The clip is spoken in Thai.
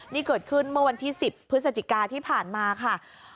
นี่เกิดขึ้นเมื่อวันที่๑๐พฤศจิกาที่ผ่านมาค่ะ